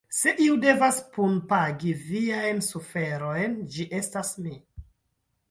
Se iu devas punpagi viajn suferojn, ĝi estas mi.